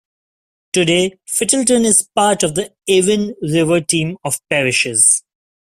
Today Fittleton is part of the Avon River Team of parishes.